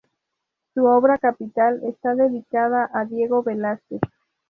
Su obra capital está dedicada a Diego Velazquez.